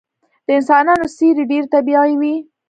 د انسانانو څیرې ډیرې طبیعي وې